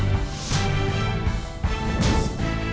ได้หรือไม่ได้ครับได้ได้ได้ได้ได้ได้